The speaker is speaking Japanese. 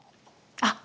あっ！